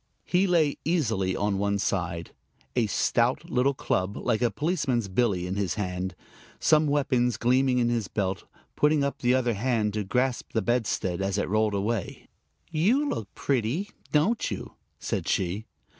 He lay easily on one side, a stout little club like a policeman's billy in his hand, some weapons gleaming in his belt, putting up the other hand to grasp the bedstead as it rolled away. "You look pretty, don't you?" said she.